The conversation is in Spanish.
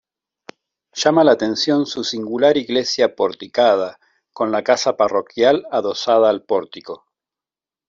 Llama la atención su singular iglesia porticada, con la casa parroquial adosada al pórtico.